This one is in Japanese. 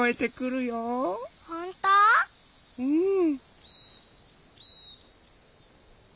うん。